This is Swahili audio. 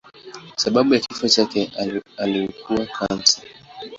Sababu ya kifo chake ilikuwa kansa.